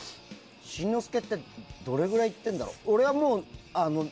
新之助ってどれぐらい行ってるんだろう。